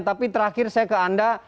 tapi terakhir saya ke anda